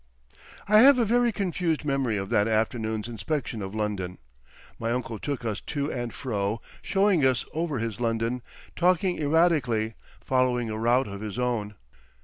I have a very confused memory of that afternoon's inspection of London. My uncle took us to and fro showing us over his London, talking erratically, following a route of his own.